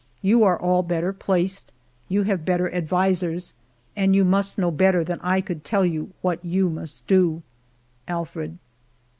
You are all better placed, you have better advisers, and you must know better than I could tell you what you must do. Alfred.